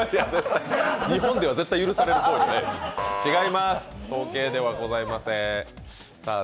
日本では絶対許される行為ではないです。